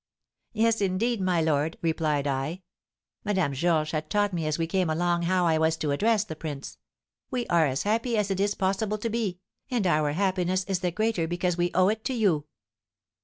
'Yes, indeed, my lord,' replied I (Madame Georges had taught me as we came along how I was to address the prince), 'we are as happy as it is possible to be, and our happiness is the greater because we owe it to you.'